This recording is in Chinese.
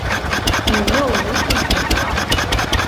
你又唔系警察！